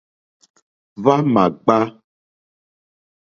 Hwá ǃma ŋɡbà.